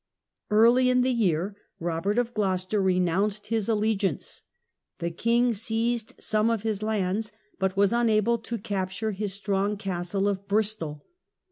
Early in the year Robert of Gloucester renounced his allegiance. The king seized some of his lands, but was unable to capture his strong castle of /Bristol.